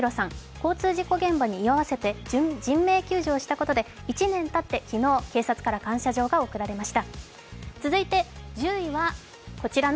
交通事故現場に居合わせて、人命救助をしたことで１年たって昨日、警察から感謝状が贈られました。